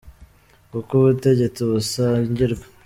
kuko ubutegetsi busangirwa.